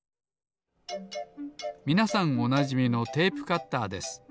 みなさんおなじみのテープカッターです。